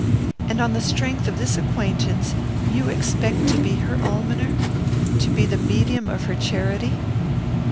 "And on the strength of this acquaintance you expect to be her almoner? To be the medium of her charity?"